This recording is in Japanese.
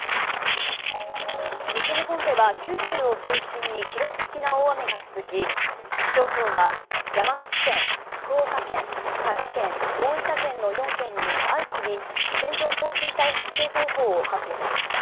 西日本では九州を中心に記録的な大雨が続き、気象庁は山口県、福岡県、佐賀県、大分県の４県に、相次ぎ線状降水帯発生情報を発表しました。